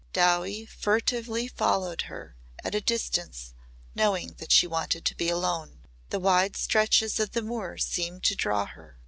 Dowie furtively followed her at a distance knowing that she wanted to be alone. The wide stretches of the moor seemed to draw her.